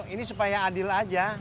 ini supaya adil aja